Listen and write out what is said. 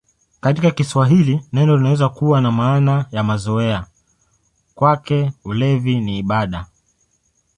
Katika Kiswahili neno linaweza kuwa na maana ya mazoea: "Kwake ulevi ni ibada".